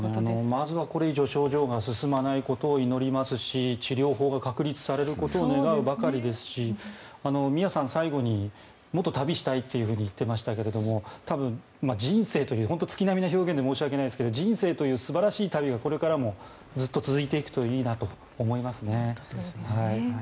まずはこれ以上症状が進まないことを祈りますし治療法が確立されることを願うばかりですしミアさん最後にもっと旅したいと言っていましたけれども多分、人生という月並みな表現で申し訳ないですけど人生という素晴らしい旅はこれからもずっと続いていくといいなと思いますね。